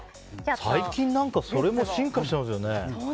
最近、それも進化してますよね。